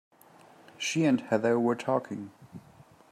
She and Heather were talking.